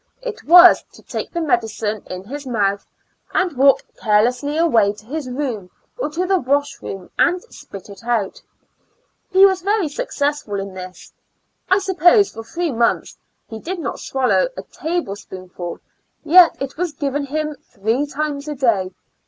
It was to take the medicine in his mouth and walk carelessly away to his room or to the washrcJom and spit it out; he was very suc cessful in this. I .suppose for three months he did not swallow a table spoonful; yet 'it was given him three times a day.